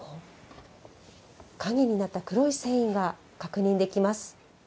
影になった黒い繊維が確認できます。